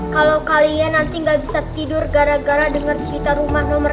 kalo kalian nanti gak bisa tidur gara gara denger cerita rumah nomor tiga belas